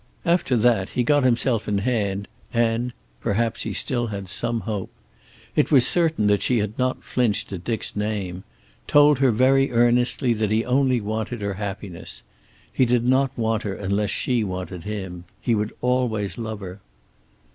After that he got himself in hand, and perhaps he still had some hope. It was certain that she had not flinched at Dick's name told her very earnestly that he only wanted her happiness. He didn't want her unless she wanted him. He would always love her.